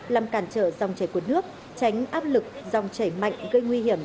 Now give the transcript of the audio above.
làm cản trở dòng chảy cuốn hước tránh áp lực dòng chảy mạnh gây nguy hiểm